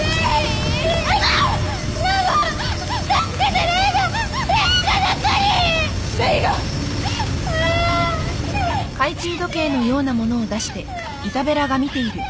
はい！